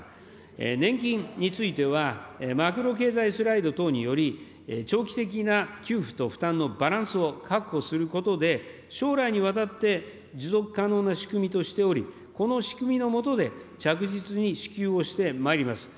年金については、マクロ経済スライド等により、長期的な給付と負担のバランスを確保することで、将来にわたって持続可能な仕組みとしており、この仕組みのもとで、着実に支給をしてまいります。